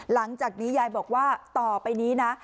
หลังจากนี้ยายบอกว่าต่อไปนี้นะ